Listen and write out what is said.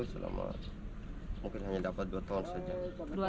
selama mungkin hanya dapat dua tahun saja